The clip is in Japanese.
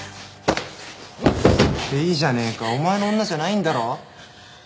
いいじゃねえかお前の女じゃないんだろ？